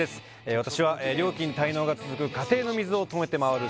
私は料金滞納が続く家庭の水を止めて回る